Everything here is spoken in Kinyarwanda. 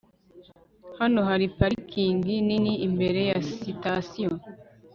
hano hari parikingi nini imbere ya sitasiyo